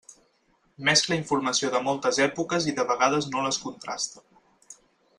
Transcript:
Mescla informació de moltes èpoques i de vegades no les contrasta.